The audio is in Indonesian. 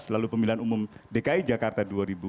lalu pemilihan umum dki jakarta dua ribu sembilan belas